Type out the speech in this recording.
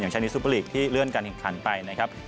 ใช้ในซูเปอร์ลีกที่เลื่อนการแข่งขันไปนะครับ